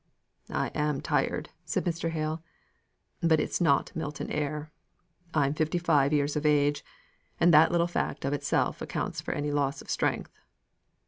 "I am tired," said Mr. Hale. "But it is not Milton air. I'm fifty five years of age, and that little fact of itself accounts for any loss of strength."